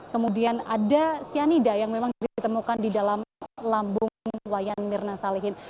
kemudian ada cyanida yang memang ditemukan di dalam lambung wayan mirna salihin